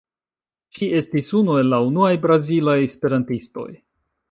Ŝi estis unu el la unuaj brazilaj esperantistoj.